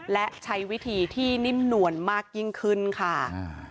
และใช้วิธีที่นิ่มนวลมากยิ่งขึ้นค่ะ